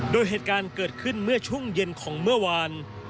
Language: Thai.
โดยเหตุการณ์เกิดขึ้นเมื่อช่วงเย็นของเมื่อวาน